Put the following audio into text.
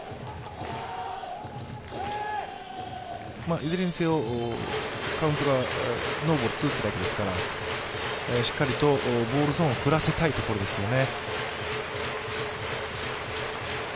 いずれにせよ、カウントがノーボール・ツーストライクですからしっかりとボールゾーンを振らせたいところですよね。